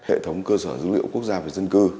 hệ thống cơ sở dữ liệu quốc gia về dân cư